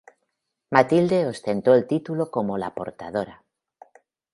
Matilde ostentó el título como la portadora.